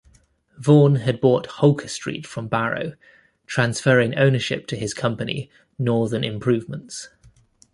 Vaughan had bought Holker Street from Barrow, transferring ownership to his company "Northern Improvements".